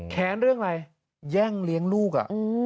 แค้นเรื่องอะไรแย่งเลี้ยงลูกอ่ะ